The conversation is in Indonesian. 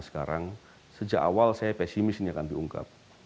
sekarang sejak awal saya pesimis ini akan diungkap